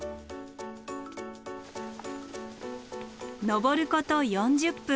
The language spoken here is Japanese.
登ること４０分。